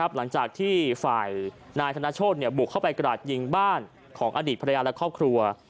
หลังจากที่ฝ่ายนายธนโชธบุกเข้าไปกราดยิงบ้านของอดีตภรรยาและครอบครัว